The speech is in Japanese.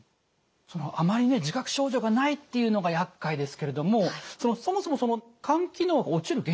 あまりね自覚症状がないっていうのがやっかいですけれどもそもそも肝機能が落ちる原因は何なんでしょうか？